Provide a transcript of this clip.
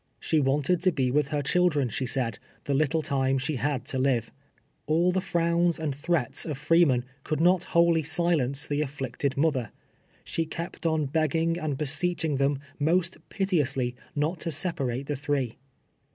She wanted to be with her children, she said, the little time she liad to live. All the frowns and threats of Freeman, could not wholly silence the afflicted mother. She kept on beg ging and beseeching them, most piteously, not to sep arate the three.